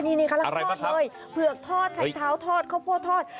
นี่ค่ะละทอดเลยเผือกทอดชัยเท้าทอดเข้าพ่อทอด